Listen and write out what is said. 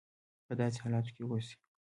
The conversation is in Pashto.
په داسې حالاتو کې اوسي.